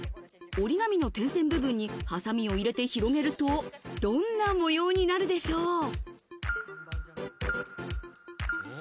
折り紙の点線部分にハサミを入れて広げると、どんな模様になるでしょう。